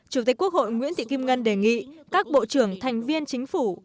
chủ tịch quốc hội nguyễn thị kim ngân đề nghị các bộ trưởng thành viên chính phủ